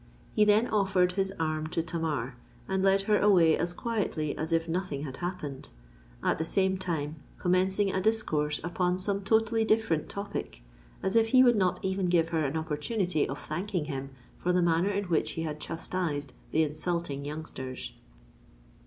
He then offered his arm to Tamar, and led her away as quietly as if nothing had happened, at the same time commencing a discourse upon some totally different topic, as if he would not even give her an opportunity of thanking him for the manner in which he had chastised the insulting youngsters.